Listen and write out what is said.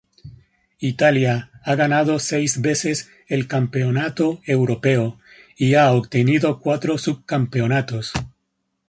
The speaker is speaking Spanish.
Italia ha ganado seis veces el Campeonato Europeo y ha obtenido cuatro subcampeonatos.